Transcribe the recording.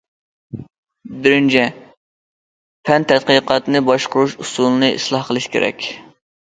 بىرىنچى، پەن تەتقىقاتنى باشقۇرۇش ئۇسۇلىنى ئىسلاھ قىلىش كېرەك.